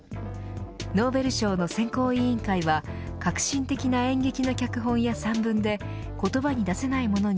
ノーベル賞の選考委員会は革新的な演劇の脚本や散文で言葉に出せないものに